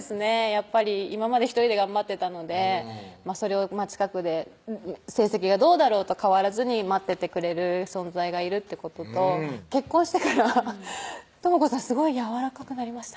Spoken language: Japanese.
やっぱり今まで１人で頑張ってたのでそれを近くで成績がどうだろうと変わらずに待っててくれる存在がいるってことと結婚してから「倫子さんすごいやわらかくなりましたね」